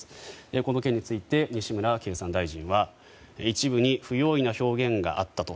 この件について西村経産大臣は一部に不用意な表現があったと。